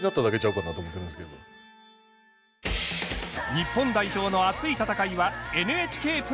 日本代表の熱い戦いはＮＨＫプラスでも。